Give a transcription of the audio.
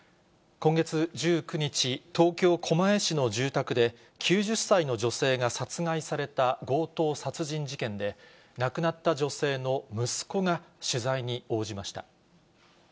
今月１９日、東京・狛江市の住宅で、９０歳の女性が殺害された強盗殺人事件で、亡くなった女性の息子が取材に応じました。